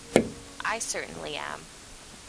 I certainly am.